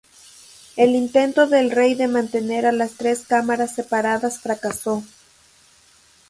El intento del Rey de mantener a las tres cámaras separadas fracasó.